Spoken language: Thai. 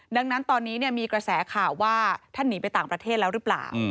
ดังนั้นตอนนี้มีกระแสข่าวว่าท่านหนีไปต่างประเทศแล้วหรือเปล่า